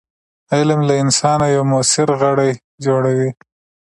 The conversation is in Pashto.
علم له انسانه یو موثر غړی جوړوي.